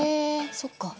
そっか。